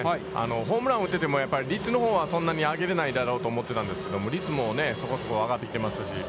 ホームランを打てても、率のほうはそんなに上げれないだろうと思っていたんですけど率もそこそこ上がってきていますし。